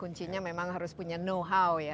kuncinya memang harus punya know how ya